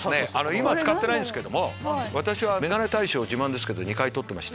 今使ってないんですけども私はメガネ大賞自慢ですけど２回取ってまして。